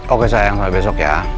oke sayang sampai besok ya